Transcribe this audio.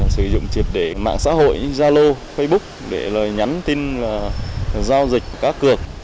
sử dụng triệt để mạng xã hội gia lô facebook để nhắn tin giao dịch cá cược